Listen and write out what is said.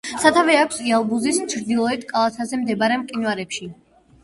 სათავე აქვს იალბუზის ჩრდილოეთ კალთაზე მდებარე მყინვარებში.